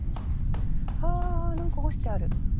はあ何か干してある。